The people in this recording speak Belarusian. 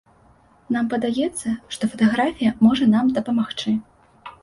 Нам падаецца, што фатаграфія можа нам дапамагчы.